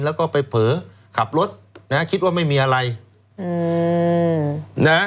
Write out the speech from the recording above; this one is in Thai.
แล้วก็ไปเผลอขับรถนะฮะคิดว่าไม่มีอะไรอืมนะ